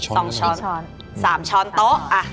๓ช้อนโต๊ะ